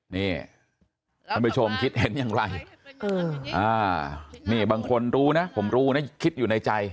นี่ท่านผู้ชมคิดเห็นอย่างไรนี่บางคนรู้นะผมรู้นะคิดอยู่ในใจ